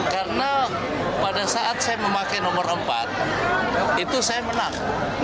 karena pada saat saya memakai nomor empat itu saya menang